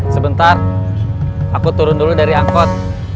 sebentar aku turun dulu dari angkot